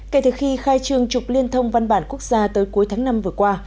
kể từ khi khai trương trục liên thông văn bản quốc gia tới cuối tháng năm vừa qua